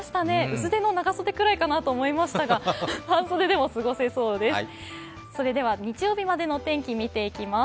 薄手の長袖ぐらいかなと思いましたが、半袖でも過ごせそうです。